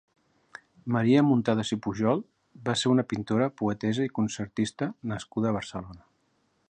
Maria Muntadas i Pujol va ser una pintora, poetessa i concertista nascuda a Barcelona.